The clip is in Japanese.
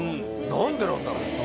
何でなんだろう？